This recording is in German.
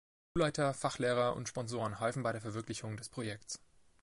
Schulleiter, Fachlehrer und Sponsoren halfen bei der Verwirklichung des Projektes.